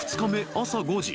朝５時］